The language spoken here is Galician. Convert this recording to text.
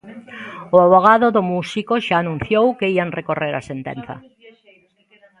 O avogado do músico xa anunciou que ían recorrer a sentenza.